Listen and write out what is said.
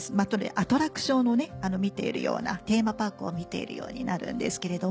アトラクションを見ているようなテーマパークを見ているようになるんですけれども。